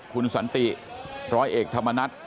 คุณสันติร้อยเอกธรรมนัฐ